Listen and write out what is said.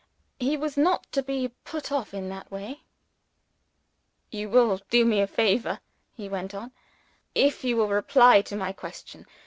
He was not to be put off in that way. "You will do me a favor," he went on, "if you will reply to my question.